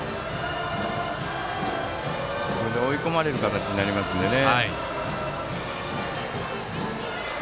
追い込まれる形になりますからね。